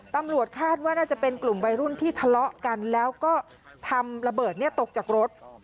ตำรวจคาดว่าน่าจะเป็นกลุ่มวัยรุ่นที่ทะเลาะกันแล้วก็ทำระเบิดตกจากรถ